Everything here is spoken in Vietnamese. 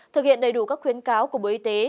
thực hiện đầy đủ các khuyến cáo của bộ y tế